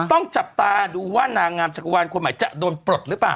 ต้องจับตาดูว่านางงามจักรวาลคนใหม่จะโดนปลดหรือเปล่า